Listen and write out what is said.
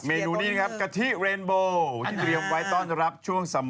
เมนูนี้นะครับกะทิเรนโบที่เตรียมไว้ต้อนรับช่วง